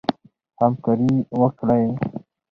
همکاري وکړئ.